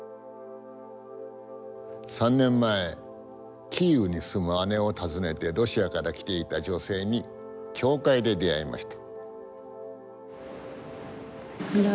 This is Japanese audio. ３年前キーウに住む姉を訪ねてロシアから来ていた女性に教会で出会いました。